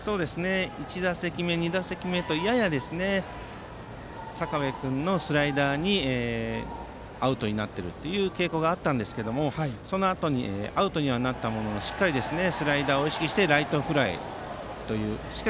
１打席目、２打席目とやや坂部君のスライダーにアウトになっている傾向があったんですがそのあとアウトにはなったもののしっかりスライダーを意識してライトフライがありました。